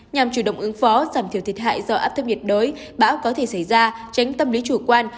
nhằm chủ động ứng phó giảm thiểu thiệt hại do áp thấp nhiệt đới bão có thể xảy ra tránh tâm lý chủ quan